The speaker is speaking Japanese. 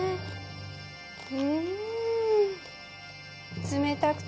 うん。